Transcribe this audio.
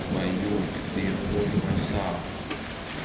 Vai jūti tirpoņu vai sāpes?